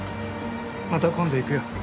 また今度行くよ。